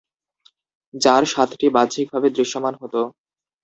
যার সাতটি বাহ্যিকভাবে দৃশ্যমান হত।